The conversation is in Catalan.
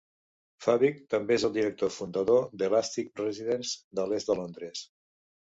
Fabyc també és el director fundador d'Elastic Residence de l'est de Londres.